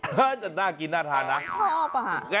หน้ากินน่าทานัก